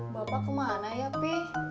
bapak kemana ya pi